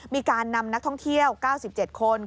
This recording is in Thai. มีการนำนักท่องเที่ยว๙๗คน